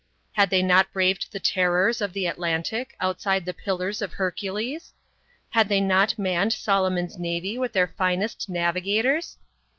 Had they not braved the terrors of the Atlantic, outside the Pillars of Hercules ? Had they not manned Solomon's navy with their finest navigators